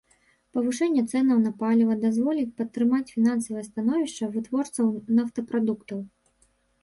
Павышэнне цэнаў на паліва дазволіць падтрымаць фінансавае становішча вытворцаў нафтапрадуктаў.